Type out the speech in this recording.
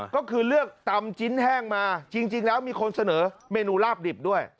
ก็คือเลือกตำจิ้นแห้งมาจริงแล้วมีคนเสนอเมนูลาบดิบด้วย